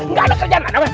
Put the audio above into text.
enggak ada kerjaan